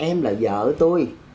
em em là vợ tôi